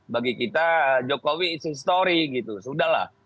bagi kita jokowi it s a story gitu sudah lah